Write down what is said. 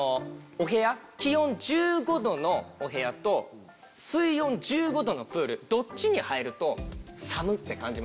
お部屋気温１５度のお部屋と水温１５度のプールどっちに入ると「寒っ」って感じますか？